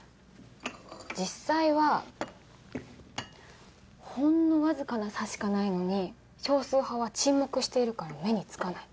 実際はほんのわずかな差しかないのに少数派は沈黙しているから目につかない。